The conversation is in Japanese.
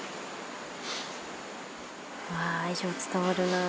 愛情伝わるな。